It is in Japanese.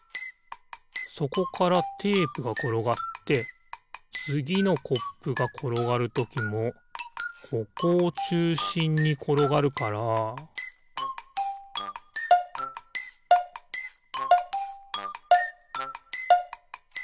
そこからテープがころがってつぎのコップがころがるときもここをちゅうしんにころがるからピッ！